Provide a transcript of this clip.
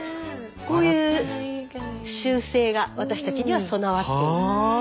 こういう習性が私たちには備わっている。